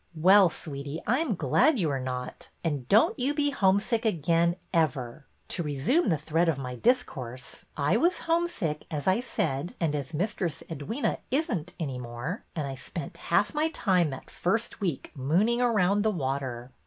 '' Well, sweetie, I 'm glad you are not. And don't you be homesick again ever. To resume the thread of my discourse. I was homesick, as I said, — and as Mistress Edwyna is n't any more, — and I spent half my time that first week moon ing around the water.